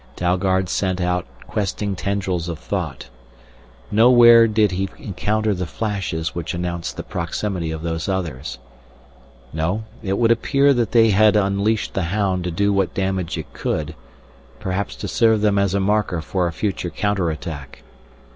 Dalgard sent out questing tendrils of thought. Nowhere did he encounter the flashes which announced the proximity of Those Others. No, it would appear that they had unleashed the hound to do what damage it could, perhaps to serve them as a marker for a future counterattack.